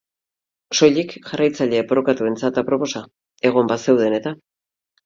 Soilik jarraitzaile porrokatuentzat aproposa, egon bazeuden eta.